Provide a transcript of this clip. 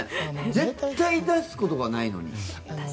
絶対出すことがないのに。